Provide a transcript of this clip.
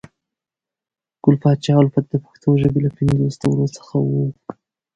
ګل پاچا الفت د پښنو ژبې له پنځو ستورو څخه وو